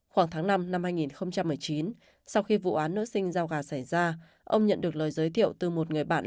khoảng tháng năm năm hai nghìn một mươi chín sau khi vụ án nước sinh giao gà xảy ra ông nhận được lời giới thiệu từ một người bạn